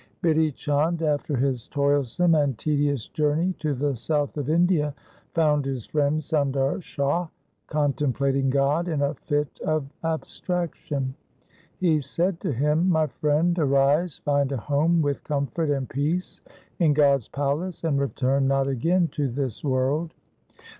Bidhi Chand after his toilsome and tedious journey SIKH. IV Q 226 THE SIKH RELIGION to the south of India found his friend Sundar Shah contemplating God in a fit of abstraction. He said to him, ' My friend, arise, find a home with comfort and peace in God's palace, and return not again to this world.'